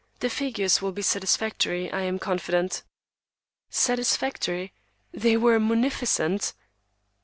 "The figures will be satisfactory, I am confident." Satisfactory! They were munificent!